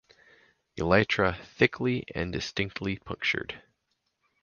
Elytra thickly and distinctly punctured.